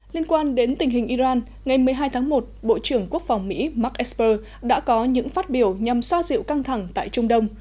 liên quan đến tình hình iran ngày một mươi hai tháng một bộ trưởng quốc phòng mỹ mark esper đã có những phát biểu nhằm xoa dịu căng thẳng tại trung đông